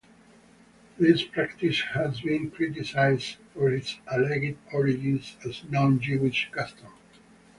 This practice has been criticized for its alleged origins as a non-Jewish custom.